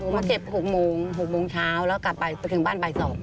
มาเก็บ๖โมง๖โมงเช้าแล้วกลับไปถึงบ้านบ่าย๒